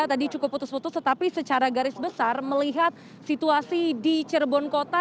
tadi cukup putus putus tetapi secara garis besar melihat situasi di cirebon kota